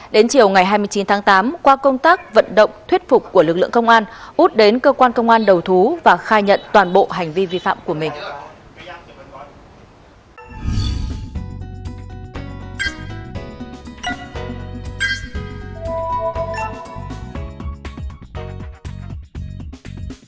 đến chiều ngày hai mươi chín tháng tám qua công tác vận động thuyết phục của lực lượng công an út đến cơ quan công an đầu thú và khai nhận toàn bộ hành vi vi phạm của mình